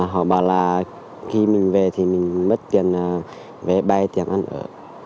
họ bảo là khi mình về thì mình mất tiền về bay tiền ăn ở